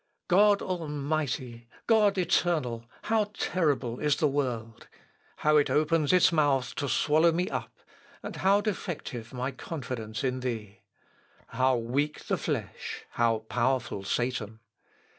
"God Almighty! God Eternal! how terrible is the world! how it opens its mouth to swallow me up! and how defective my confidence in thee! How weak the flesh, how powerful Satan!